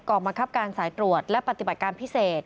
กรรมคับการสายตรวจและปฏิบัติการพิเศษ